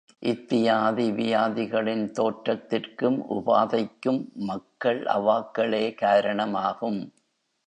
இத்தியாதி வியாதிகளின் தோற்றத்திற்கும் உபாதைக்கும் மக்கள் அவாக்களே காரணமாகும்.